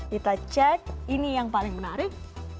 kita cek ini yang paling menarik